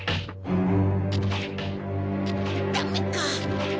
ダメか。